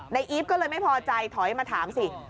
อีฟก็เลยไม่พอใจถอยมาถามสิ